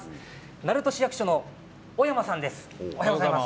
鳴門市役所の尾山さんです。